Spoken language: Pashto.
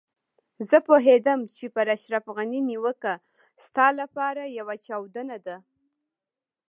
زه پوهېدم چې پر اشرف غني نيوکه ستا لپاره يوه چاودنه ده.